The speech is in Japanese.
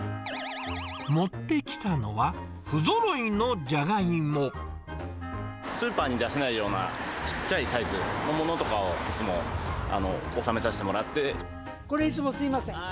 持ってきたのは、スーパーに出せないようなちっちゃいサイズのものとかを、これいつもすみません。